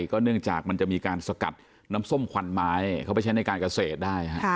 ก็เนื่องจากมันจะมีการสกัดน้ำส้มควันไม้เข้าไปใช้ในการเกษตรได้